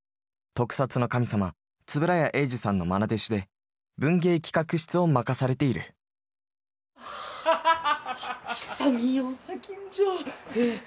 特撮の神様円谷英二さんの愛弟子で文芸企画室を任されているハハハハハ。